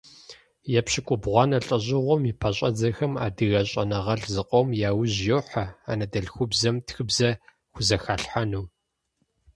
Епщыкӏубгъуанэ лӏэщӏыгъуэм и пэщӏэдзэхэм адыгэ щӏэныгъэлӏ зыкъом яужь йохьэ анэдэльхубзэм тхыбзэ хузэхалъхьэну.